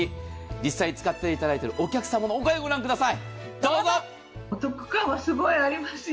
実際に使っていただいているお客様のお声を御覧ください。